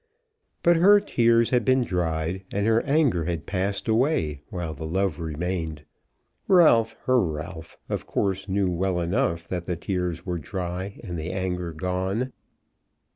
But her tears had been dried, and her anger had passed away; while the love remained. Ralph, her Ralph, of course knew well enough that the tears were dry and the anger gone.